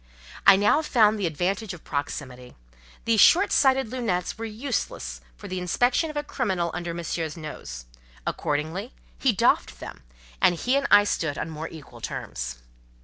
I now found the advantage of proximity: these short sighted "lunettes" were useless for the inspection of a criminal under Monsieur's nose; accordingly, he doffed them, and he and I stood on more equal terms.